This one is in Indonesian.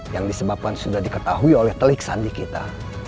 yang disebabkan sudah diketahui oleh telik sandi kita